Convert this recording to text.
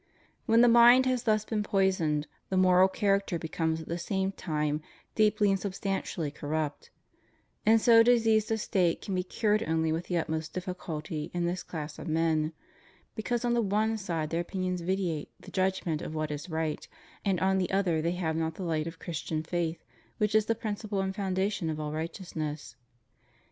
When the mind has thus been poisoned, the moral char acter becomes at the same time deeply and substantially corrupt; and so diseased a state can be cured only with the utmost difficulty in this class of men, because on the one side their opinions vitiate the judgment of what ia right, and on the other they have not the hght of Christian faith, which is the principle and foundation of all righteous ness.